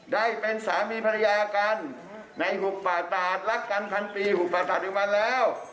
ได้เป็นสามีภรรยากันในหุบป่าตาหัดรักกันพันปีหุบป่าตาธิวันแล้ว